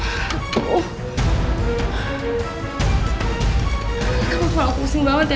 kamu pernah pusing banget ya